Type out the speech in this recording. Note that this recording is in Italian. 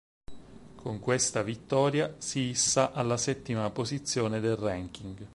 Con questo vittoria, si issa alla settima posizione del ranking.